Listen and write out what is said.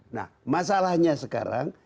nah masalahnya sekarang